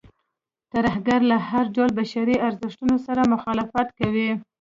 ترهګرۍ له هر ډول بشري ارزښتونو سره مخالفت کوي.